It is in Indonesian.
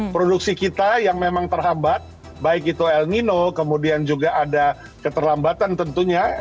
produksi kita yang memang terhambat baik itu el nino kemudian juga ada keterlambatan tentunya